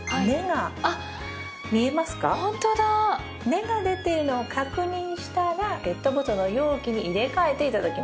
根が出てるのを確認したらペットボトルの容器に入れ替えていただきます。